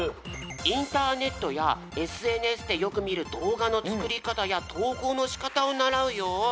インターネットやＳＮＳでよく見る動画のつくりかたやとうこうのしかたをならうよ。